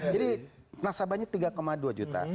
jadi nasabahnya tiga dua juta